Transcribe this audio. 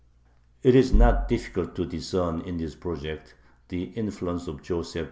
It is not difficult to discern in this project the influence of Joseph II.'